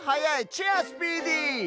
チェアスピーディー！